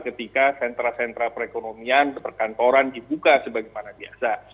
ketika sentra sentra perekonomian perkantoran dibuka sebagaimana biasa